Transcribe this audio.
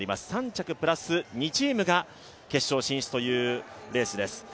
３着プラス２チームが決勝進出というレースです。